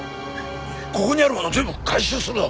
ここにあるもの全部回収するぞ。